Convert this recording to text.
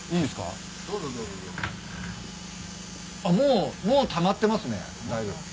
あっもうもうたまってますねだいぶ。